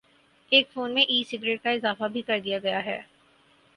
ایک فون میں "e cigarette" کا اضافہ بھی کر دیا گیا ہے